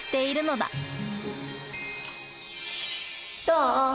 どう？